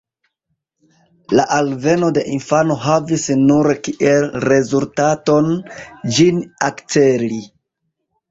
La alveno de infano havis nur kiel rezultaton, ĝin akceli.